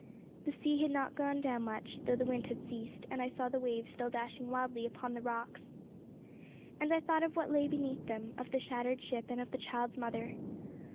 The sea had not gone down much, though the wind had ceased, and I saw the waves still dashing wildly upon the rocks. And I thought of what lay beneath them, of the shattered ship, and of the child's mother.